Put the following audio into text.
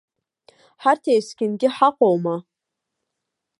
Ҳарҭ есқьынгьы ҳаҟоума?